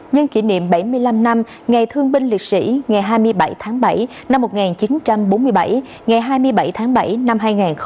nhân kỷ niệm bảy mươi năm năm ngày thương binh liệt sĩ ngày hai mươi bảy tháng bảy năm một nghìn chín trăm bốn mươi bảy ngày hai mươi bảy tháng bảy năm hai nghìn hai mươi